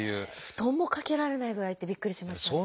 布団もかけられないぐらいってびっくりしましたね。